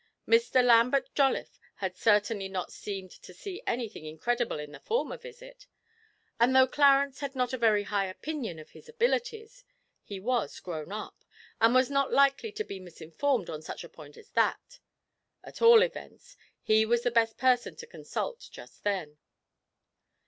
Mr. Lambert Jolliffe had certainly not seemed to see anything incredible in the former visit, and, though Clarence had not a very high opinion of his abilities, he was grown up, and was not likely to be misinformed on such a point as that at all events, he was the best person to consult just then.